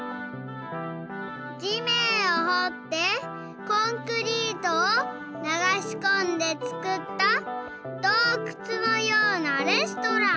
地めんをほってコンクリートをながしこんでつくったどうくつのようなレストラン。